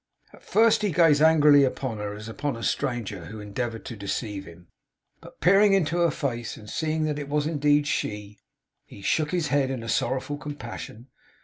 At first he gazed angrily upon her, as upon a stranger who endeavoured to deceive him; but peering into her face, and seeing that it was indeed she, he shook his head in sorrowful compassion.